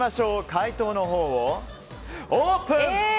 解答のほうをオープン！